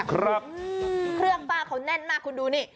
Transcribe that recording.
เครื่องป้าเขาแน่นมากคุณดูนี่